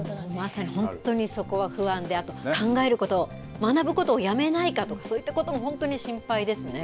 まさに本当に、そこは不安であと考えること学ぶことをやめないかとかそういったことも本当に心配ですね。